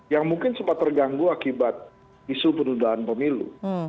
yang mungkin sempat terganggu akibat isu penundaan pemilu